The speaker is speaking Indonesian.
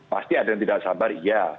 pasti ada yang tidak sabar iya